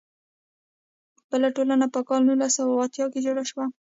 بله ټولنه په کال نولس سوه اتیا کې جوړه شوه.